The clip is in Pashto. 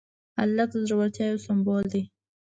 هلک د زړورتیا یو سمبول دی.